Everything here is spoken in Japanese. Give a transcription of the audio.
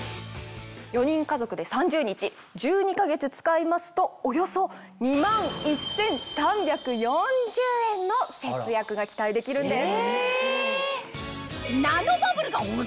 ・４人家族で３０日１２か月使いますとおよそ２１３４０円の節約が期待できるんです・